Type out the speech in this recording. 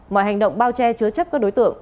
mọi hành động bao che chứa chấp các đối tượng